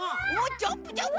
ジャンプジャンプ！